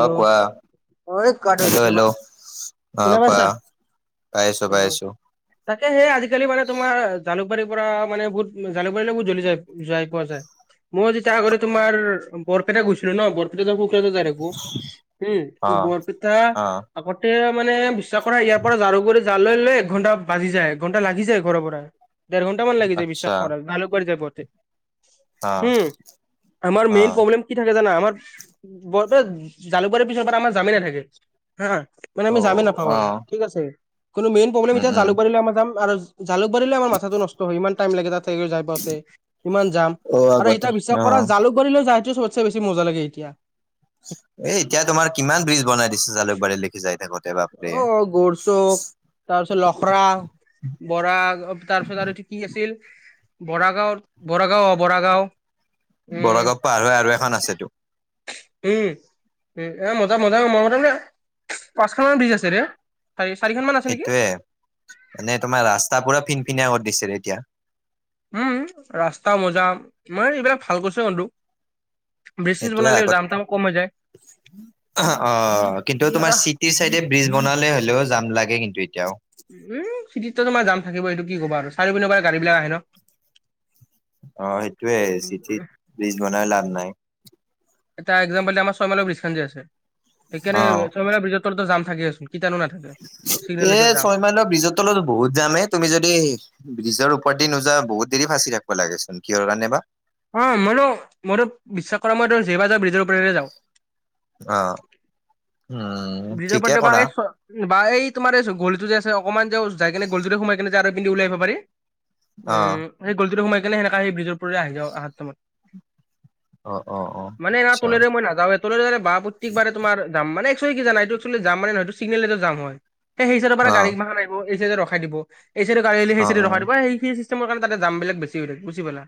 অ কোৱা? অ কাট হৈ হেল্ল, গৈছে ৰবা হেল্ল' অ শুনা কোৱা? পাইছা পাইছো উম পাইছো। তাকে সেই আজিকালি মানে তোমাৰ জালুক জালুকবাৰীৰ পৰা মান বহুত জালুকবাৰীলৈ বহুত জল্দি যায় যাই পোৱা যায়। মই যেতিয়া আগৰে তোমাৰ বৰপেটা গৈছিলো ন, বৰপেটা যাও সোতে যে যাই থাকো। উম, অ বৰপেটা অ আগতে মানে বিশ্বাস কৰা ইয়াৰ পৰা ঝাৰুগুৰি তাললৈ লৈ এক ঘণ্টা বাজি যায়, এক ঘণ্টা লাগি যায় ঘৰৰ পৰা। দেৰ ঘণ্টামান লাগি যায় আচ্ছা বিশ্বাস কৰা জালুকবাৰী যায় পাওতে। অ উম, আমাৰ অ মেইন প্ৰব্লেম কি থাকে জানা আমাৰ বতৈত- জালুকবাৰীৰ পিছৰ পৰা আমাৰ জামে নাথাকে হা মানে অ আমি জামে নাপাওঁ অ আৰু ঠিক আছে। কোনো মেইন পবলেম উম এতিয়া উম জালুকবাৰী আমাৰ জাম আৰু জালুকবাৰী লৈ আমাৰ মাথাটো নষ্ট ত সিমান টাইম লাগে তাতে যাই পাওঁতে ইমান যাম অ আৰু আগতে সেইতা বিশ্বাস অ কৰা জালুক বাৰিলৈ যাওঁতে চবতছে বেছি মজা লাগে এতিয়া। এ এতিয়া তোমাৰ কিমান ব্ৰীজ বনাই দিছে জালুকবাৰী লিকি যাই থাকোঁতে বা অ, গৰচুক তাৰপিছত লখৰা বৰাল তাৰপিছত আৰু এইটো কি আছিল বৰাগাঁওত বৰাগাঁও অ, বৰাগাঁও। উম বৰগাঁও পাৰ হয় আৰু এখন আছেতো। উম, উ এ মজা-মজা মই মতে যে তামাম ব্ৰিজ আছে ৰে। চাৰি- চাৰিখনমান সেইটোয়ে মানে তোমাৰ ৰাস্তা পুৰা ফিনফিনিয়া কৰ দিছিৰে এতিয়া। উম, ৰাস্তা মজা তোমাৰ এইবিলাক ভাল কৰচে বন্ধু। ব্ৰিজ চিজ এটোৱে বনালে আগত যাম তাম কম হৈ যায় [unintelligible] অ, কিন্তু তোমাৰ আৰু চি সি চাইডে ব্ৰিজ বনালে হ'লেওঁ যাম লাগে কিন্তু এতিয়াও। উম, চিটিততো তোমাৰ জাম থাকিব এইটো কি ক'বা আৰু চাৰি পিনৰ পৰা গাড়ী বিলাক আহে ন'। অ, সেইটোয়ে চিটিত ব্ৰিজ বনাই লাভ নাই। এটা একজাম্পল দি আমাৰ ছয়মাইলৰ ব্ৰীজ খান যে আছে সেইকাৰণে অ ছয়মাইল ব্ৰীজৰ তলত জাম থাকেচোন কিতানো নাথাকে। এ চিগনেলেতো ছয় যাম ছয়মাইলৰ ব্ৰিজত তলত বহুত যাম এ তুমি যদি ব্ৰিজৰ ওপৰদি নোযোৱা বহুত দেৰি ফাঁচি থাকব লাগেচোন কিহৰ কাৰণে বা। অ, মইতো- মইতো বিশ্বাস কৰা মই যেইবাৰ যাও ব্ৰিজৰ ওপৰৰে যাও। অ, হম ব্ৰিজৰ ঠিকে ওপৰতে বা কৰা। এই বা এই তুমাৰ এই গলিটো যে আছে অকমান যে যাই কেনে গলিটোৰে সোমাই কিনে যে আৰু পিন্ধি ওলাই আহিব পাৰি। অ উম, সেই গলিটো দি সোমাই কেনে সেনেকা আহি সেই ব্ৰিজৰ ওপৰেৰে আহি যাওঁ আহাৰ টাইমত। অ অ অ মানে না আচ্ছা টোলেৰে মই নাযাওঁৱে টোলেৰে বাহ প্ৰত্যেক বাৰে তোমাৰ যাম মানে তই কি জানা এইটো একচুৱেলি যাম মানে নহয় এইটো চিগনেল এটা যাম হয় সেই-সেই চাইডৰ পৰা অ গাডী মাখান আহিব এই চাইডে ৰখাই দিব। এই চাইডে গাড়ী আহিলে হেই অ চাইডে অ ৰখাই দিব এ সেই চিষ্টেমৰ কাৰনে তাতে যাম বিলাক বেছি হৈ থাকে বুজি পালা?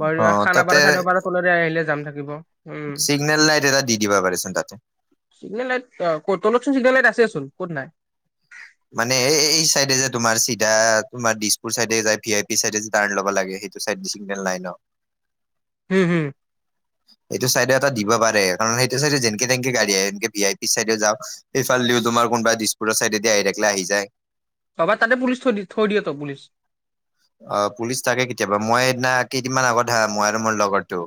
বাৰু ইয়া অ তাতে খানাপাৰা চাইডৰ পাৰ তলৰে আহিলে যাম থাকিব উম। চিগনেল লাইট এটা দি দিবা পাৰেচোন তাতে। চিগনেল লাইট অ, ক'ত তলত চোন চিগনেল লাইট আছে চোন ক'ত নাই? মানে এই- এই চাইডে যে তোমাৰ চিধা তোমাৰ দিছপুৰ চাইডে যাই ভি আই পি চাইডে টাৰ্ণ ল'ব লাগে সেই এইটো চাইড দি চিগনেল নাই ন'। হম-হম। এইটো চাইডে এটা দিবা পাৰে কাৰণ সেইটো চাইডে যেনকে-তেনকে গাড়ী আহে এনকে ভি আই পিৰ চাইডে যাওঁক সেইফালদিও তোমাৰ কোনবা দিছপুৰৰ চাইদেদি আহি থাকলে আহি যায়। ভবা তাতে পুলিচ থৈ দি থৈ দিয়ে ত'পুলিচ। অ, পুলিচ তাকে কেতিয়াবা মই সেইদিনা কেইদিনমান আগত হা মই আৰু মোৰ লগৰটো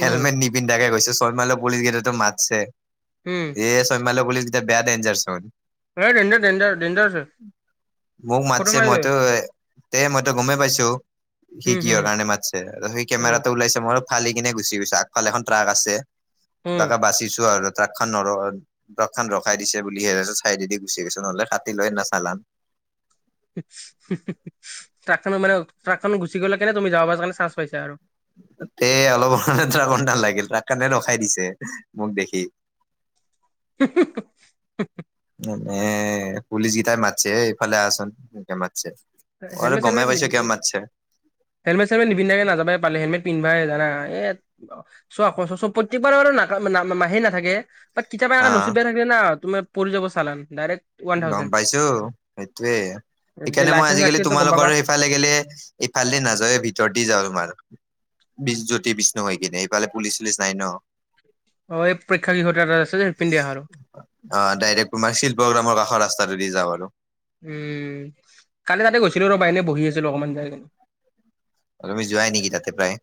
উম নিপিন্ধাকে গৈছোঁ ছয় মাইলৰ পুলিচ কেইটাইটো মাতচে। উম, য়ে ছয় মাইলৰ পুলিচ কেটা বেয়া দেঞ্জাৰ চুন। এই ডেঞ্জাৰ ডেঞ্জাৰ ডেঞ্জাৰ আছে মোক ফটো মাতছে মাৰি লৈ মইতো এ মইতো গমেই পাইছোঁ সি উম কিহৰ হম কাৰণে মাটছে সেই উম কেমেৰাটো ওলাইছে মই আৰু ফালি কিনে গুচি গৈছোঁ আগফালে এখন ট্ৰাক আছে উম কিবা কেই বাছিছোঁ আৰু। ট্ৰাক খন নৰ ট্ৰাক খন ৰখাই দিছে বুলি হে টাইছত চাইদি গুচি গৈছোঁ নহলে কাটিল হয় সেইদনা চালান। ট্ৰাকখনো মানে ট্ৰাকখনো গুচি গ'লে কেনে তুমি যাব পাৰ কাৰণে চান্স পাইছা আৰু। তে অলপৰ কাৰনে ট্ৰাকত নালাগিল ট্ৰাক খানে ৰখাই দিছে মোক দেখি। [unintelligible] [inaudible] এ পুলিচ গীটাই মাতছে এই ইফালে আচোন মোকে মাতছে। মই তো হেলমেট গমে চেলমেট পাইছোঁ, নিপি কিয় মাতিছে। হেলমেট চেলমেট নিপিন্ধাকে নাযাবা পালে হেলমেট পিন্ধাই জানা। এই চোৱা ক'চ- চ প্ৰত্যেকবাৰ আৰু [unintelligible] সেই নাথাকে। বাত কেতিয়াবা অ এখন নচিব বেয়া থাকিলে না তোমাৰ পৰি যাব চালান ডাইৰেক্ট ওৱান গম থাউজেণ্ড। পাইছোঁ সেইটোয়ে যদি সেইকাৰণে মই লাইচেন্স আজিকালি নাথাকেতো গম পাবা তোমালোকৰ এ ইফালে গেলে ইফালদি নাযাওয়ে ভিতৰ দি যাওঁ তোমাৰ। বিজ জ্যোতি বিষ্ণু হৈ কিনে এইফালে পুলিচ চুলিচ নাই ন? অ এই পৰক্ষাহ এটা আছে যে সেই ফালেদি আহা আৰু অ ডাইৰেক্ট তোমাৰ শিল্পগ্ৰামৰ কাষৰ ৰাস্তাটোদি যাওঁ আৰু উম, কালি তাতে গৈছিলো ৰবা এনে বহি আছিলোঁ অকণমান যাই কিনে। তুমি যোৱাই নেকি তাতে প্ৰায়।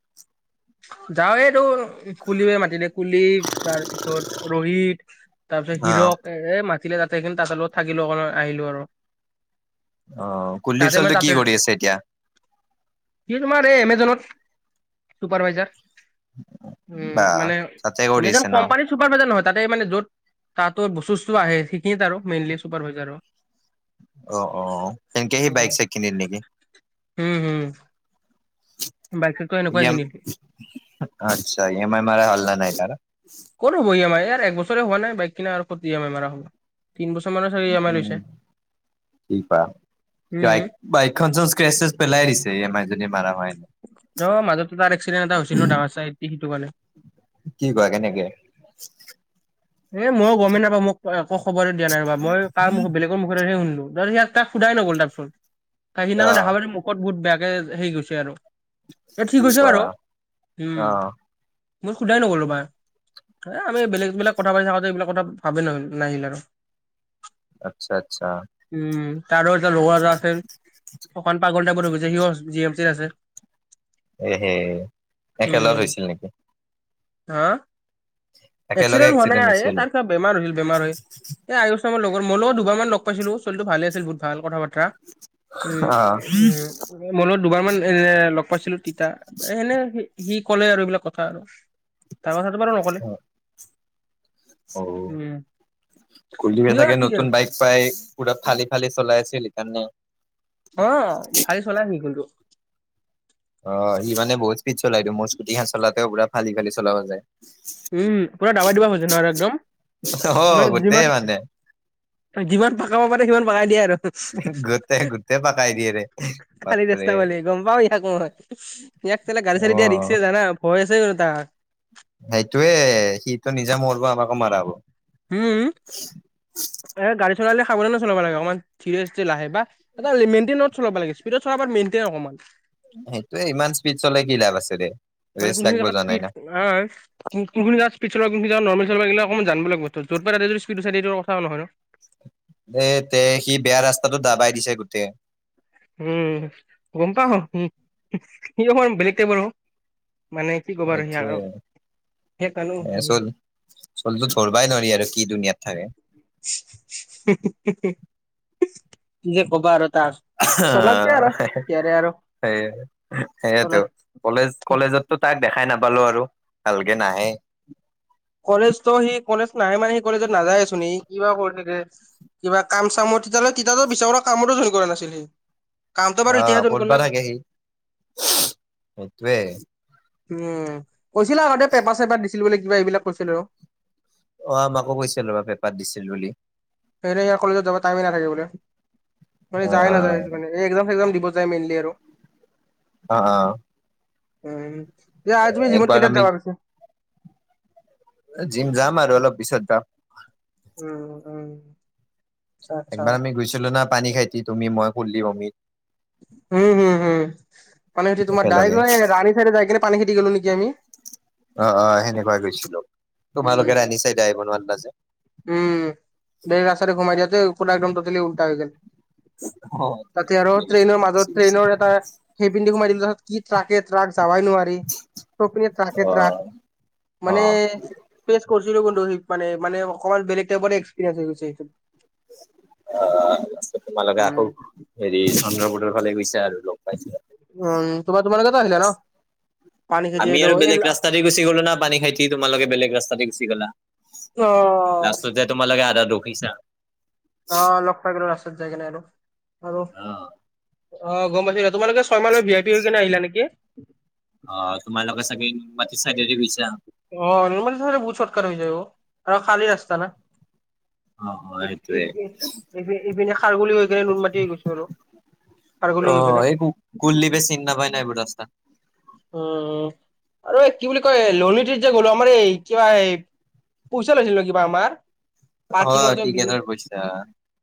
যাওঁৱেইটো কুলি মাতিলে কুলি তাৰপিছত ৰোহিত তাৰ পিছত অ হিৰক এ মাতিলে ততে, তাহাঁতৰ লগত থাকিলো অকন আহিলোঁ আৰু অ কুলদীপ তাতে মানে চলিটো কি কৰি আছে এতিয়া? কি তোমাৰ এই এমেজনত চুপাৰভাইজাৰ বা উম মানে তাতে কৰি আছে এমেযন ন কোম্পানী চুপাৰ ভাইজাৰ নহয় তাতে মানে য'ত তাতো বস্তুটো আহে সেইখিনিত আৰু মেইনলি চুপাৰ ভাইজাৰ আৰু [inaudible] অ অ সেনকে সি বাইক চাইক কিনিল নেকি। হম হম বাইক চাইকটো ই এনেকুৱাই এম কিনিলো আচ্ছা, ই এম আই মাৰ হল নে নাই তাৰ। কৰ হব ই এম আই ইয়াৰ আৰু এক বছৰে হোৱা নাই বাইক কিনা আৰু কত ই এম আই মাৰ হব। তিন বছৰ মান উম, অ, উম [unintelligible] বাইকখন চোন স্ক্ৰেচেছ পেলাই দিছে ই এম ই যদি মাৰা হোৱানাই। ন মাজত কিবা এক্সিডেণ্ট এটা হৈছিল ন ডাঙৰ চাই এ সেইটো কাৰণে। কি কৰা কেনেকে। [inaudible] এ মই গমেই নাপাও মোক একো খবৰ দিয়া নাই ৰবা মই কাৰ মোক বেলেগ, মুখে শুনিলোঁ। তাক সোধাই নগল তাৰ পিছত, অ সিদিনা দেখা পাইছে মোক। ত বহুত বেয়াকে হেৰি গৈছে আৰু এ ঠিক কি হৈছে কোৱা বাৰু উম। অ মই সোধাই নগল ৰবা এ আমি বেলেগ বিলাগ কথা পাতি থাকোতে এইবিলাক কথা ভাবেই নহ নাহিল আৰু আচ্ছা আচ্ছা। উম তাৰো এটা লগৰ এটা আচিল অকন পাগল টাইপৰ হব যে হিও জি এম চিত আছে। এহে একেলত উম হৈছিল নেকি। হা, একেলগে এক্সিডেন্ট হোৱা এক্সিডেণ্ট নাই এ হৈছিল তাৰ কিবা বেমাৰ হৈছিল বেমাৰ হৈ এই আয়ুসামৰ লগত মোৰ লগত দুবাৰমান লগ পাইছিলোঁ ছলটো ভালে আছিল বহুত ভাল কথা বতৰা। উম অ উম মনত দুবাৰ মান এ লগ পাইছিলো। তিতা সেনে সি ক'লে আৰু এইবিলাক কথা আৰু তাৰ কথাটো বাৰু নকলে। অ উম, কুলদিপে সিও ছাগে কি নতুন আৰু বাইক। পায় পুৰা ফালি ফালি চলাই আছিল সকাৰণে। অ ফালি চলাহি কিন্তু সি। অ সি মানে বহুত স্পীড চলাই টো মোৰ স্কুটীখন চলাওতে ফালি ফালি চলাব যায়। উম পুৰা দাবা দিব খোজে ন একদম অ ম গোটেই যিমান, মানে যিমান পকাব পাৰে সিমান পকাই দিয়ে আৰু গোটেই গোটেই পাকাই দিয়ে ৰে খালি বাপৰে ৰাস্তা পালে গম পাও ইয়াক মই, ইয়াত কেলা গড়ি অ চাৰি দিয়া ৰিক্স জানা ভয়ছছে নহা, সেইটোয়ে সিটো নিজা মৰব আমাকো মাৰাব। উম, এ গাড়ী চলালে সাৱধানে চলাব লাগে অকমান ধিৰেস্থীৰে লাহে বা। এটা মেনটেইনত চলাব লাগে, স্পীডত চলাব মেইনটেইন অকমান। সেইটোয়ে ইমান স্পীড চলে কি লাভ আছে, দে ৰেচ লাগব জানেই না। [unintelligible] কোন ক যা সড চল কোন যা নৰ্ম চল ল অকমান জান লাগিব যত ততে স্পড আছেটো কথা নহয় ন। এ তে সি বেয়া ৰাস্তাটো দাবাই দিছে গোটেই। উম গম পা আহ উ সি অ বেলেগ টাইপৰ মানে। কি ক'বাৰ সি এইটোৱে আৰু সেই কালো। চলতো ধৰবাই নোৱাৰি আৰু কি দুুনিয়াত থাকে। যে কবা আৰু তাক। চলাক দে আৰু ইয়াৰে [unintelligible] আৰু চলাই কলেজ কলেজতো তাক দেখাই নাপালো আৰু ভালকে নাহে। কলেজতো সি কলেজ নাহে মানে সি কলেজত নাযায়ছোন কিবা কৰি থাকে কিবা কাম চামত। বিদ্যালয় তিতা বিচাৰা কামতো জইন কৰা নাছিলে সি। কামটো বাৰু আহ এতিয়াহে জইন ক'তবা কৰিলে। থাকে সি, সেইটোৱে। উম, কৈছিলা আগতে পেপাৰ চেপাৰ দিছিল বুলি কিবা এইবিলাক কৈছিল আৰু। অঁ মাকো কৈছিল ৰব পেপাত দিছিল বুলি। সেই ইয়াৰ কলেজত যাব টাইমে নাথাকে বোলে অ মানে যায়াই নাযায় মানে। এ একজাম চেকজাম দিব যায় মেইনলি আৰু। অহঁ অহঁ উম, এয়া তুমি জীমত একবাৰ কেইটা আমি যাবা পিছে। জিম যাম আৰু অলপ পিছত যাম। উম উম আচ্ছা আচ্ছা একবাৰ আমি গৈছিলো না পানী খাইতি তুমি মই খুললি অমিত। উম হম হম পানী খুঠি তোমাৰ ডাই একেলগে ৰাণী চাইডে যাই কিনে পানী খেতি গ'লো নেকি আমি। অঁ অঁ সেনেকুৱাই গৈছিলো। তোমালোকে উম ৰান্ধিচাই ড্ৰাইভাৰৰ আন্দাজত। উম দে ৰাস্তাৰে ঘুমাই দিয়াতে পুৰা একদম তোতেলি উল্টা হৈ গেল। অ', তাতে আৰু অ', ট্ৰেইনৰ মাজত ট্ৰেইনৰ এটা। সেই পিনেদি সোমাই দিলো তাপাছত কি ট্ৰাকে ট্ৰাক যাবাই নোৱাৰি ত সিপিনে - ট্ৰাকে ট্ৰাক মানে- তাৰপিছত পেছ, কৰিছিলো কিন্তু স মান মানে অকণমান বেলেগ টাইপৰে এক্সপেৰিয়েঞ্চ হৈ গৈছে সেইটো। অ আচ্ছা তোমালোকে উম আকৌ- হেৰি চন্দ্ৰপোটৰ ফালে গৈছে আৰু লগ পাইছিলো। উম তোমাৰ তোমালোকেতো আনিলা ন। পানী খেতি আমি এইটো আৰু এই বেলগ ৰাস্তাদি গুচি গলো ন, পানী খাই তি তোমালোকে বেলেগ ৰাস্তাতে গুচি গলা। অ', লাষ্টত যে তোমালোকে আধাত ৰখিছা। অ লগ পাই গলো ৰাস্তাত যায় কিনে আৰু। অ', অ গম পালো। তোমালোকে ছয় মাইলৰ ভি আই পি হৈ কিনে আহিলা নেকি? অঁ, তোমালোকৰ ছাগে নুনমাটি ছাইডে গৈছা। অঁ, নুনমাটি ছাইডে বহুত ছৰ্টকাট হৈ যায় আও, আৰু খালি ৰাস্তা না। অ', ই ই সেইটোৱে। ইপিনে খাৰগলী হৈ কিনে নুনমাটিত গৈছো আৰু। খাৰগুলি হৈ অ', পেলাই। এই কুলদীপে চিনি নাপায় না এইবোৰ ৰাস্তা। উম আৰু এই কি বুলি কয় লণিটিট যে গ'লো আমাৰ এই কিবা এই- পইচা লৈছিলো কিবা আমাৰ। অ', পাৰ্কিংৰটে টিকেটৰ পইচা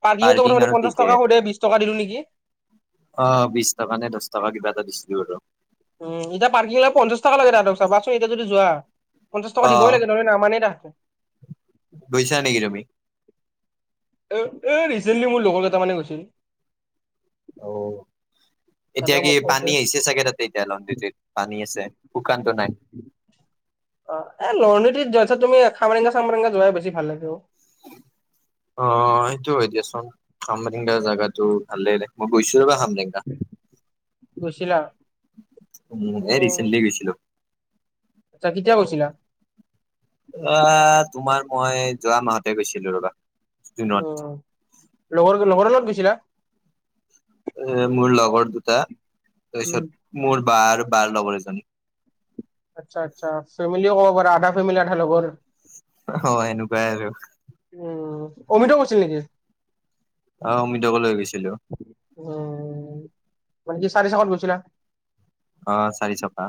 পাৰ্কিংৰো পাৰ্কিং কথা আৰু পঞ্চাশ টিকেট। টকা স বিশ টকা দিলো নেকি? অঁ বিশ টকা নে দহ টকা কিবা এটা দিছিলো আৰু। উম এয়া পাৰ্কিংৰ পঞ্চা টকা লাগে চাবাচোন এতিয়া যোৱা পঞ্চা টকা অ', দিবই লাগে। নামানেই তাহাঁতে - গৈছা নেকি তুমি? এ এ ৰিচেণ্টলি মোৰ লগৰ কেইটা মানে গৈছিল। অ'। এতিয়া তাহাঁতেও কি মোক কৈছে। পানী আহিছে চাগে তাতে এতিয়া, পানী আছে শুকানতো নাই। অ এ লৰণীট যছ তুমি খামৰেংগা চামৰেংগা যোৱাই বেছি ভাল লাগে অ। অ সেইটো হয় দিয়াচোন কামৰেংগা জাগগাতটো ভালে মই গৈছো ৰবা হামৰেং। গৈছিলা এ উম, ৰিচেণ্টলী গৈছিলোঁ। আচ্ছা কেতিয়া গৈছিলা? অ তোমাৰ মই যোৱা মাহতে গৈছিলো ৰবা জুনত উম, লগৰ লগৰ লগত গৈছিলা। এ মোৰ লগৰ দুটা উম। তাৰপিছত মোৰ বা আৰু বাৰ লগৰ এজনী আচ্ছা আচ্ছা ফেমিলি ক'ব পাৰা আধা ফেমিলি আধা লগৰ। অ এনেকোৱাই আৰু উম অমৃত গৈছিল নেকি? অ অমৃতকো লৈ গৈছিলোঁ। উম মানে কি চাৰি চকাত গৈছিলা? অ চাৰিচকা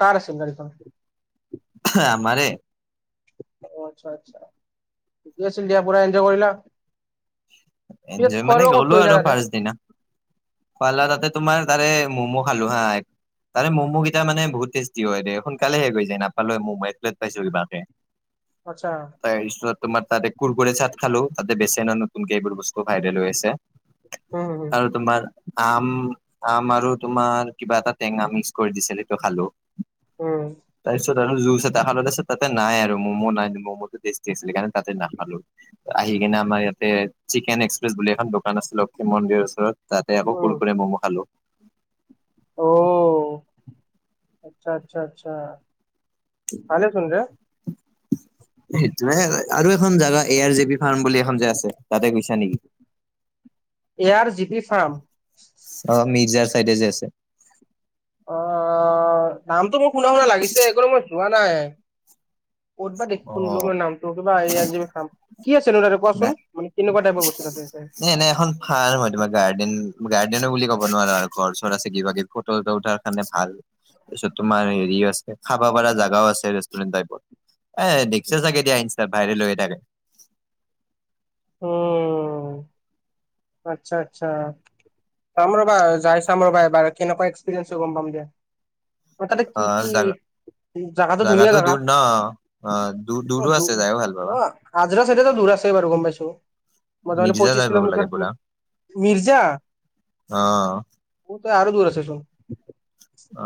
কাৰ আছিল গাড়ীখন? আমাৰে আচ্ছা আচ্ছা ঠিক আছিল দিয়া পোৰা এন্জয় কৰিলা। পিছত এনজয় খোৱা মানে লোৱা ক'ত গ'লো কৰিলা আৰু তাতে? ফাৰ্ষ্ট দিনা। পাৰ্লাৰতে তোমাৰ তাৰে ম'ম' খালো হা এক তাৰে ম'ম' কেইটা মানে বহুত টেষ্টি হয় দে সোনকালে শেষ হৈ যায় নাপালোৱেই মমো এক প্লেট পাইছো কিবাকে আচ্ছা তাৰ পিছত তোমাৰ তাতে কুৰকোৰি চাট খালো তাতে বেচন আন কোনকে এইবোৰ বস্তু ভাইৰেল হৈ আছে উ আৰু তোমাৰ আম আম আৰু তোমাৰ কিবা এটা টেঙা মিক্স কৰি দিছিলে সেইটো খালো। উম তাৰপিছত আৰু জুচ এটা তাতে নাই আৰু ম'ম' নাই ম'ম'টো টেষ্টি নাছিলে কাৰণ তাতে নাখালো আহি কিনে আমাৰ ইয়াত এ চিকেন এক্সপ্ৰেছ বুলি এখন দোকান আছে লক্ষি মন্দিৰৰ ওচৰত তাতে আকৌ কুৰ-কুৰি, ম'মো খালো। অ আচ্ছা আচ্ছা আচ্ছা ভালেচোন, সেইটোৱে আৰু এখন জাগা এ আৰ জে বি ফাৰ্ম বুলি এখন যে আছে তা গৈছা নেকি? এয় আৰ জি পি ফাৰ্ম অ মিৰ্জাৰ চাইড যে আছে অ নামটো মোৰ শুনা শুনা লাগিছে অকল মই যোৱা নাই। [unintelligible] কোৱা অ চুন মানে কেনেকুৱা টাইপৰ বস্তু তাতে পোৱা যায়। এ এনে এখন। ভাল মই তোমাৰ গাৰ্ডেন গাৰ্ডেনো বুলি ক'ব নোৱাৰো আৰু ঘৰ চৰ আছে কিবা কিবি ফটো উঠাৰ কাৰণে ভাল। তাৰপিছত তোমাৰ হেৰি আছে খাব পৰা জাগাও আছে ৰেষ্টুৰেণ্ট টাইপত। এ দেখছা চাগে দিয়া ইনষ্টাত ভাইৰেল লৈ থাকে। উম। আচ্ছা আচ্ছা। চাম ৰবা যাই চাম ৰবা এবাৰ কেনেকুৱা এক্সপিৰিয়েঞ্চ হয় গম পাম দিয়া। কথাতো কি অ কি। জাগা জাগাটো ধুনীয়া জাগা দূৰ ন। অ দূৰ দূৰো আছে যায়ো ভাল পাবা অ। আজৰা চাইতেটো দূৰ আছে বাৰো গম পাইছো মই ত মানে মিৰ্জা পঁচিশ যাই পাব কিলোমিটৰ। লাগে পুৰা মিৰ্জা অ সেইটো আৰু দূৰ আছে চোন।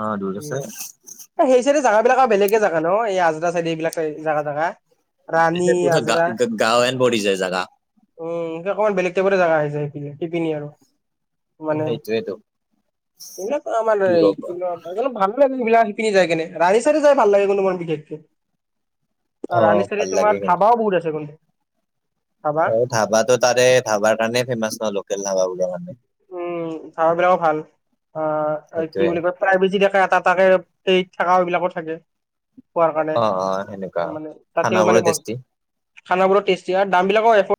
অ দূৰ আছে। সেই চাইডে জেগাব বিলাকৰ বেলেগে জেগা ন এই আজ্ৰা চাইদ এইবিলাক চাই জাগা জাগা। ৰাণী এহে কোনো গাঁৱ আজৰা ৱৈন বদি যায় জাগা উম সে অকণমান বেলেগ টাইপৰে জাগা আহিছে সেইখিনি সিপিনী আৰু মান সেইটোৱেটো কেনেকুৱা কি মানুহ ই [unintelligible] ক'বা। সেই সিবিলাক শিপিনি যায় কেনে ৰাণী চাইদে যাই ভাল লাগে কন্তো মোৰ বিশেষকে অ', আৰু আলি চালী ভাল লাগে তোমাৰ ধাবাও বহুত আছে ধাবা অ ধাবাটো তাৰে ধাবাৰ কাৰণে ফেমাচ ন লোকেল ধাবা বোৰৰ কাৰণে উম ধাবা বিলাও ভাল অ কি সেইটোয়ে বুলি কয় প্ৰাই বেছি থাকে এটা এ তাকে এই থকা এইবিলাকো থাকে পোৱাৰ কাৰণে অ', অ', সেনেকুৱা মানে তাতেও খানাবোৰো মানে ম টেষ্টি। খানাব বোৰৰ টেষ্টি আৰু দাম বিলাকো এফৌট